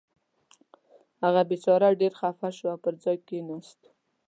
هغه بېچاره ډېر خفه شو او پر ځای کېناست.